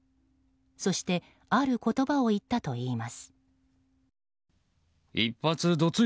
そして、ある言葉を言ったといいます。